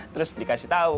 terus dikasih tau